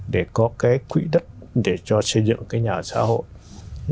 để có cái quỹ đất để cho xây dựng cái nhà ở xã hội